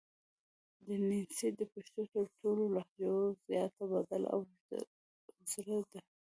وڼېڅي د پښتو تر ټولو لهجو زیاته بدله او زړه ده